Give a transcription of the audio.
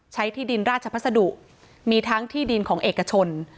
ที่ดินราชพัสดุมีทั้งที่ดินของเอกชน